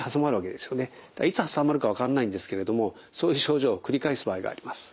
だからいつ挟まるか分かんないんですけれどもそういう症状を繰り返す場合があります。